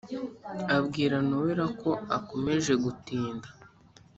abwira nowela ko akomeje gutinda